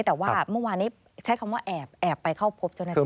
แต่ว่าเมื่อวานนี้ใช้คำว่าแอบไปเข้าพบเจ้าหน้าที่